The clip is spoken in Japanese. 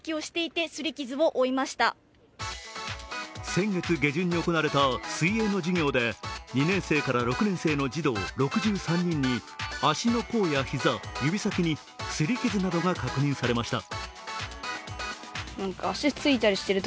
先月下旬に行われた水泳の授業で２年生から６年生の児童６３人に足の甲や膝、指先にすり傷などが確認されました。